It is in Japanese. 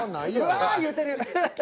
「うわ」言うてる。